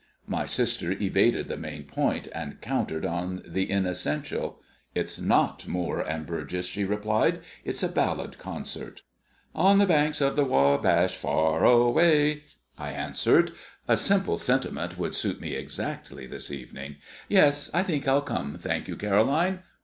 My sister evaded the main point, and countered on the inessential. "It's not Moore and Burgess," she replied. "It's a ballad concert." "'On the banks of the Wabash far away,'" I answered. "A simple sentiment would suit me exactly this evening. Yes, I think I'll come, thank you, Caroline."